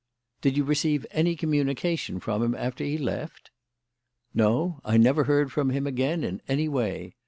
"Did you receive any communication from him after he left?" "No. I never heard from him again in any way.